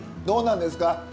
どうなんですか？